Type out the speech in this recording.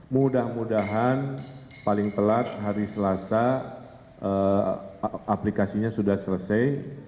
mudah mudahan paling telat hari selasa aplikasinya sudah selesai